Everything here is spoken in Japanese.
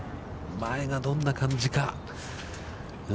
前がどんな感じか。